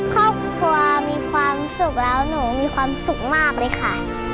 ครอบครัวมีความสุขแล้วหนูมีความสุขมากเลยค่ะ